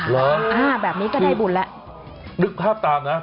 เหรออ่าแบบนี้ก็ได้บุญแล้วนึกภาพตามนะ